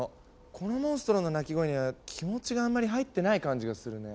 このモンストロの鳴き声には気持ちがあんまり入ってない感じがするね。